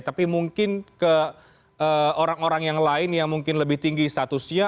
tapi mungkin ke orang orang yang lain yang mungkin lebih tinggi statusnya